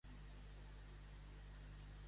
Dilluns passat vaig fer confitura de mirabolà